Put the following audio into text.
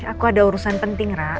aku ada urusan penting rak